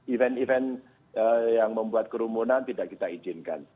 event event yang membuat kerumunan tidak kita izinkan